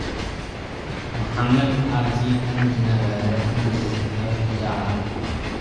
መሓመድ፡ ኣብዚ ከምዝነበረ ከምዝዝክሮ ተዛሪቡ።